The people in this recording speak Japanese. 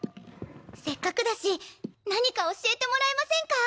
せっかくだし何か教えてもらえませんか？